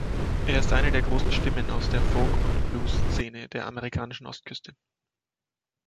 Er ist eine der großen Stimmen aus der Folk- und Bluesszene der amerikanischen Ostküste.